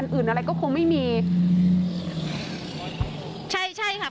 คุณภาคภูมิพยายามอยู่ในจุดที่ปลอดภัยด้วยนะคะ